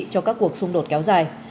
cho các cuộc xung đột kéo dài